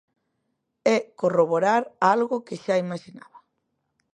É corroborar algo que xa imaxinaba.